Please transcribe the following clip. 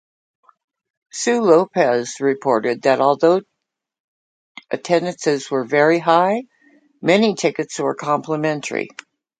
Sue Lopez reported that although attendances were very high, many tickets were complimentary.